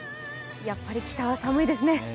やっぱり北は寒いですね。